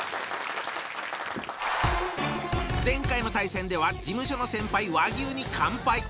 前回の対戦では事務所の先輩和牛に完敗。